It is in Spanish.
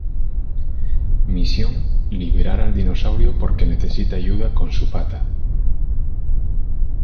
Misión: Liberar al dinosaurio porque necesita ayuda con su pata.